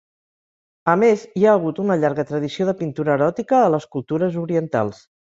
A més, hi ha hagut una llarga tradició de pintura eròtica a les cultures orientals.